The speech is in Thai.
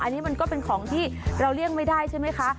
อันนี้มันก็เป็นของที่เราเลี่ยงไม่ได้ใช่ไหมคะ